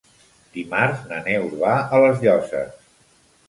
Dimarts na Neus va a les Llosses.